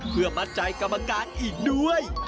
เพื่อมัดใจกรรมการอีกด้วย